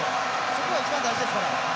そこが一番大事ですから。